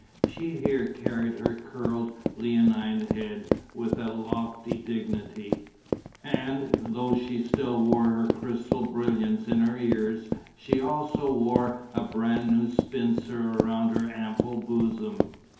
She here carried her curled, leonine head with a lofty dignity; and, though she still wore her crystal brilliants in her ears, she also wore a brand new spencer around her ample bosom.